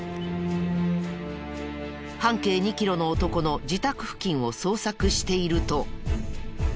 半径２キロの男の自宅付近を捜索していると。